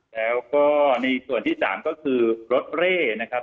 แล้วก็ในส่วนที่๓ก็คือรถเร่นะครับ